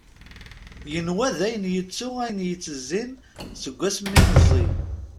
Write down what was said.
Yenwa dayen yettu ayen i yettezzin seg wasmi meẓẓi;